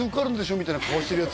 みたいな顔してるヤツ